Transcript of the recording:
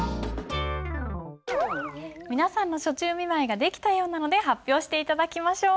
皆さんの暑中見舞いが出来たようなので発表して頂きましょう。